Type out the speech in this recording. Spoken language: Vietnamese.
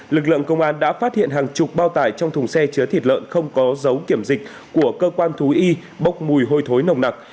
lực lượng công an đã phát hiện hàng chục bao tải trong thùng xe chứa thịt lợn không có dấu kiểm dịch của cơ quan thú y bốc mùi hôi thối nồng nặc